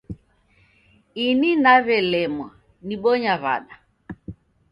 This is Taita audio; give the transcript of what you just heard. Ini naw'elemwa nibonya w'ada